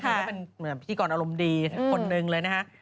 เขาก็เป็นพิธีกรอลมดีคนนึงเลยนะฮะ